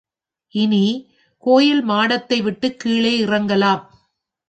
இனி, கோயில் மாடத்தை விட்டுக் கீழே இறங்கலாம்.